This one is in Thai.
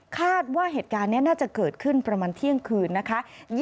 คาดว่าเหตุการณ์นี้น่าจะเกิดขึ้นประมาณเที่ยงคืนนะคะ